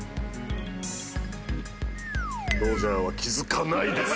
ロジャーは気付かないです！